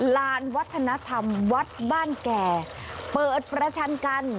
ลานวัฒนธรรมวัดบ้านแก่เปิดประชันกัน